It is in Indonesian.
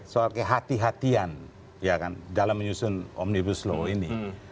soalnya hati hatian ya kan dalam menyusun omnibus law ini